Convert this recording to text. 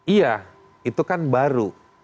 iya itu kan baru